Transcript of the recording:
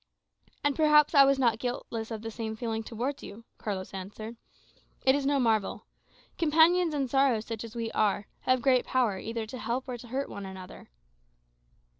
"And perhaps I was not guiltless of the same feeling towards you," Carlos answered. "It is no marvel. Companions in sorrow, such as we are, have great power either to help or to hurt one another."